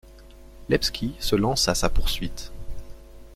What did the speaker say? Lepski se lance à sa poursuite.